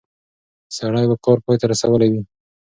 سړی به کار پای ته رسولی وي.